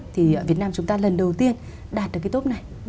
thì việt nam chúng ta lần đầu tiên đạt được cái tốt này